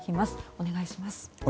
お願いします。